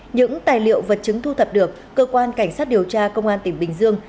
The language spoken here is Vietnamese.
những tài liệu vật chứng thu thập được cơ quan cảnh sát điều tra công an tỉnh bình dương